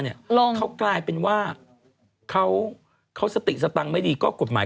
คุณจะเอาโทษกับคนสติไม่ดีได้ยังไง